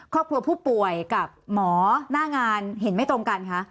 ครอบครัวผู้ป่วยกับหมอหน้างานเห็นไม่ตรงกันคะ